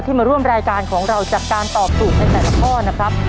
มาร่วมรายการของเราจากการตอบถูกในแต่ละข้อนะครับ